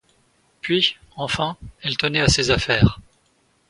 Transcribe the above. Puis, enfin, elle tenait à ses affaires.